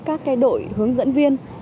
các đội hướng dẫn viên